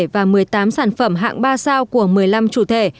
và một mươi tám sản phẩm hạng ba sao của một mươi năm chủ thể